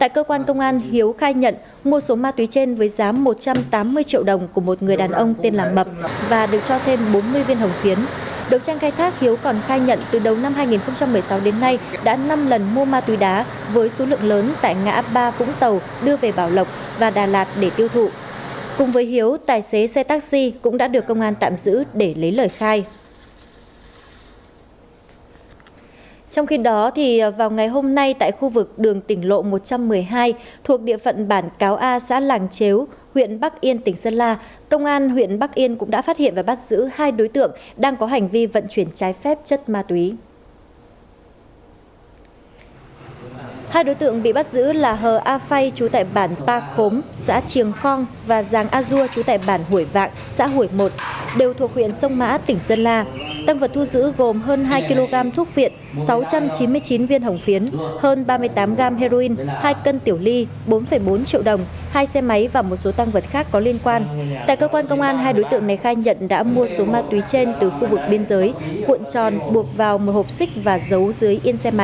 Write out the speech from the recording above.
cuộn tròn buộc vào một hộp xích và giấu dưới yên xe máy mang sang tỉnh yên bái để bán kiếm lời